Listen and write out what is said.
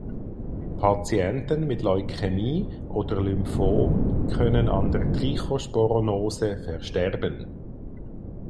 Patienten mit Leukämie oder Lymphom können an der Trichosporonose versterben.